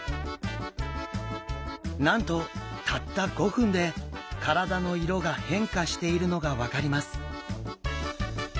なんとたった５分で体の色が変化しているのが分かります。